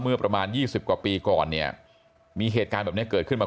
เมื่อประมาณ๒๐กว่าปีก่อนเนี่ยมีเหตุการณ์แบบนี้เกิดขึ้นมา